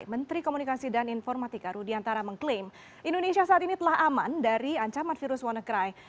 menteri komunikasi dan informatika rudiantara mengklaim indonesia saat ini telah aman dari ancaman virus wannacry